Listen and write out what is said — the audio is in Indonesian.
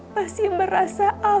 masih merasa afif masih hidup